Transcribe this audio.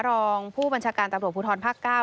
รองผู้บัญชาการตำรวจภูทรภาค๙